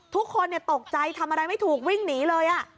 ทุกคนตกใจทำอะไรไม่ถูกวิ่งหนีเลย